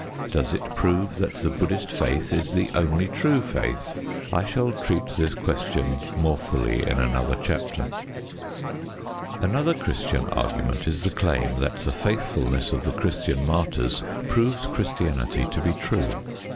Does it prove that the Buddhist faith is the only true faith? I shall treat this question more fully in another chapter. Another Christian argument is the claim that the faithfulness of the Christian martyrs proves Christianity to be true.